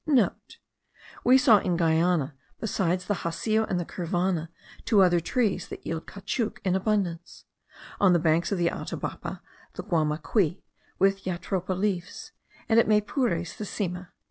*(* We saw in Guiana, besides the jacio and the curvana, two other trees that yield caoutchouc in abundance; on the banks of the Atabapo the guamaqui with jatropha leaves, and at Maypures the cime.)